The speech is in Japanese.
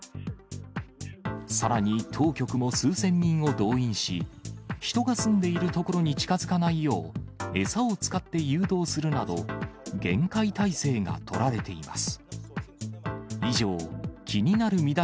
さらに当局も数千人を動員し、人が住んでいる所に近づかないよう、餌を使って誘導するなど、厳戒態勢が取られています。